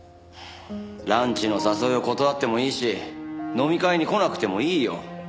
ランチの誘いを断ってもいいし飲み会に来なくてもいいよ。